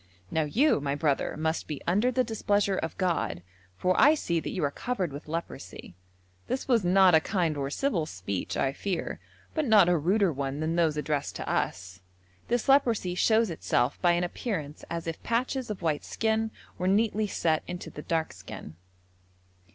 Now you, my brother, must be under the displeasure of God, for I see that you are covered with leprosy.' This was not a kind or civil speech, I fear, but not a ruder one than those addressed to us. This leprosy shows itself by an appearance as if patches of white skin were neatly set into the dark skin.